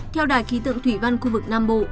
theo đài ký tượng thủy văn cung